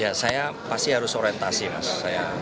ya saya pasti harus orientasi mas